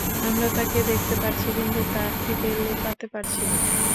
আমরা তাকে দেখতে পারছি, কিন্তু তার থেকে লুকোতে পারছি না।